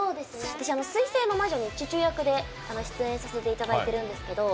私、『水星の魔女』にチュチュ役で、出演させていただいてるんですけど。